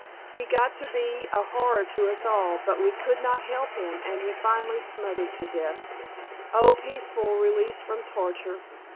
He got to be a horror to us all, but we could not help him and he finally smothered to death. Oh, peaceful release from torture!